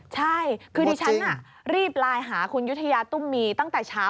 ใช่คือดิฉันรีบไลน์หาคุณยุธยาตุ้มมีตั้งแต่เช้า